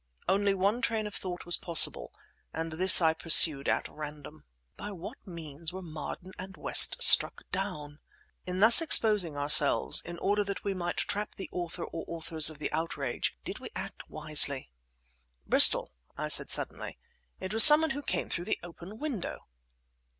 Only one train of thought was possible, and this I pursued at random. By what means were Marden and West struck down? In thus exposing ourselves, in order that we might trap the author or authors of the outrage, did we act wisely? "Bristol," I said suddenly, "it was someone who came through the open window."